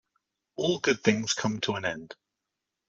All good things come to an end.